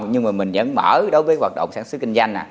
nhưng mà mình vẫn mở đối với hoạt động sản xuất kinh doanh à